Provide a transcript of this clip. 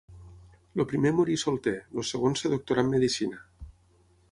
El primer morí solter, el segon es doctorà en medicina.